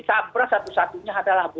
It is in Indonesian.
satu satunya adalah bulog